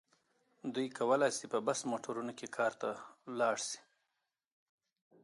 دوی کولای شي په بس موټرونو کې کار ته لاړ شي.